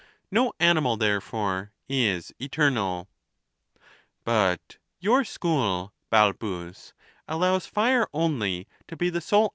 No animal, therefore, is eternal. But your school, Balbus, allows fire only to be the sole